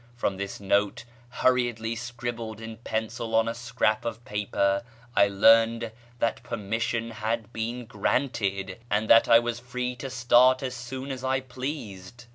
From this note, hurriedly scribbled in pencil on a scrap of paper, I learned that permission had been granted, and that I was free to start as soon as I pleased.